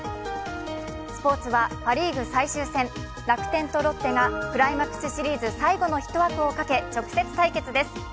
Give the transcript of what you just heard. スポーツは、パ・リーグ最終戦、楽天とロッテがクライマックスシリーズ最後のひと枠をかけ直接対決です。